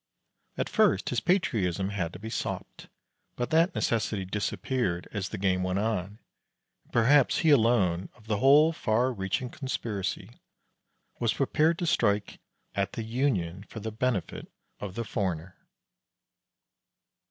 At first his patriotism had to be sopped, but that necessity disappeared as the game went on, and perhaps he alone, of the whole far reaching conspiracy, was prepared to strike at the Union for the benefit of the foreigner.